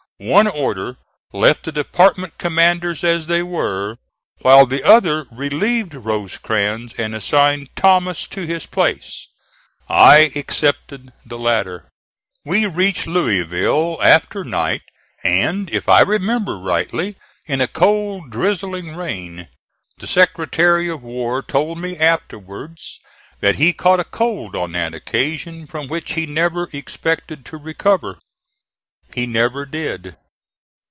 One order left the department commanders as they were, while the other relieved Rosecrans and assigned Thomas to his place. I accepted the latter. We reached Louisville after night and, if I remember rightly, in a cold, drizzling rain. The Secretary of War told me afterwards that he caught a cold on that occasion from which he never expected to recover. He never did.